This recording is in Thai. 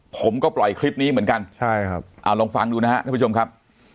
ผมก็ปล่อยคลิปนี้เหมือนกันใช่ครับเอาลองฟังดูนะครับท่านผู้ชมครับ